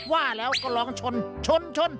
ว่าแล้วก็ลองชนชนชน